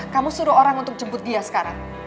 kamu suruh orang untuk jemput dia sekarang